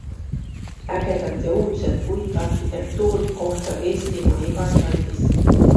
Ägedat ja uudset puitarhitektuuri kohtab Eestimaa igas kandis.